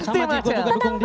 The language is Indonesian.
sama ji gue juga dukung dia